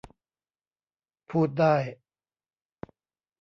พูดได้